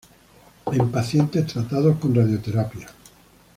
En pacientes tratados con radioterapia.